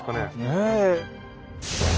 ねえ？